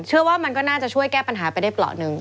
มันก็น่าจะช่วยแก้ปัญหาไปได้เปราะหนึ่ง